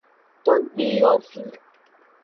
Togbiyovi.